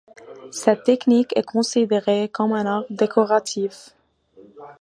Cette technique est considéré comme un art décoratif.